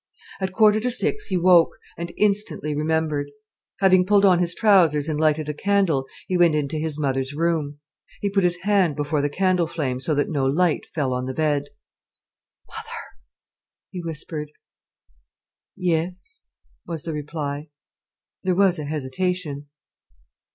At a quarter to six he woke, and instantly remembered. Having pulled on his trousers and lighted a candle, he went into his mother's room. He put his hand before the candle flame so that no light fell on the bed. "Mother!" he whispered. "Yes," was the reply. There was a hesitation.